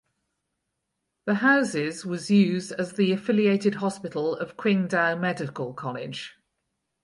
The houses was used as the Affiliated Hospital of Qingdao Medical College.